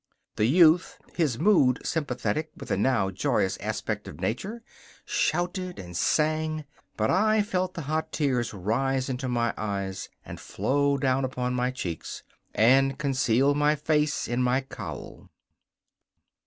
The youth, his mood sympathetic with the now joyous aspect of nature, shouted and sang, but I felt the hot tears rise into my eyes and flow down upon my cheeks, and concealed my face in my cowl.